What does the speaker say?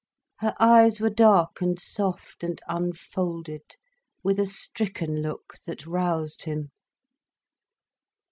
Her eyes were dark and soft and unfolded, with a stricken look that roused him.